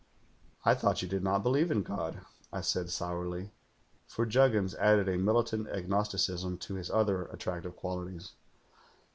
"'I thought you did not believe in God,' I said sourly; for Juggins added a militant agnosticism to his other attractive qualities.